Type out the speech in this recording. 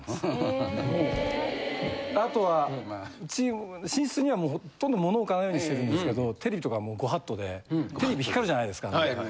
あとは寝室にはもうほとんど物置かないようにしてるんですけどテレビとかもうご法度でテレビ光るじゃないですか。